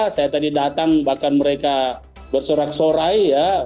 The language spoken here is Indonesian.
saya tadi datang bahkan mereka bersorak sorai ya